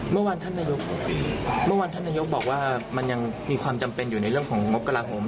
เมื่อวานท่านนายกบอกว่ามันยังมีความจำเป็นอยู่ในเรื่องของงบกระหลาฮม